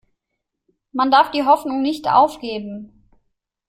Man darf die Hoffnung nicht aufgeben.